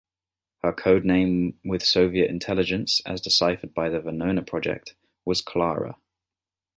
Her code name with Soviet intelligence, as deciphered by the Venona project, was "Klara".